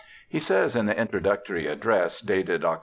He says in the introductory address, dated Oct.